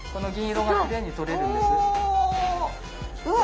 うわ！